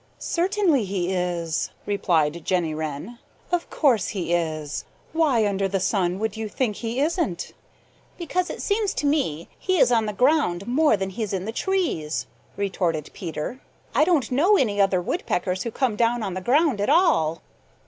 "Certainly he is," replied Jenny Wren. "Of course he is. Why under the sun should you think he isn't?" "Because it seems to me he is on the ground more than he's in the trees," retorted Peter. "I don't know any other Woodpeckers who come down on the ground at all."